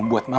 aura itu ma